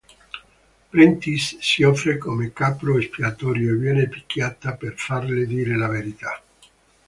Prentiss si offre come capro espiatorio e viene picchiata per farle dire la verità.